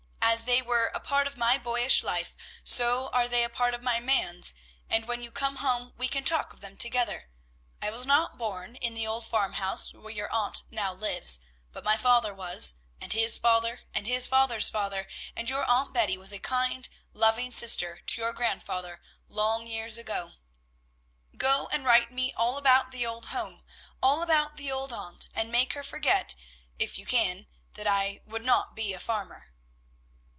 As they were a part of my boyish life, so are they a part of my man's; and when you come home we can talk of them together. I was not born in the old farmhouse where your aunt now lives, but my father was, and his father, and his father's father, and your Aunt Betty was a kind, loving sister to your grandfather long years ago. "Go, and write me all about the old home, all about the old aunt, and make her forget, if you can, that I would not be a farmer."